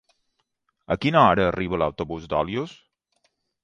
A quina hora arriba l'autobús d'Olius?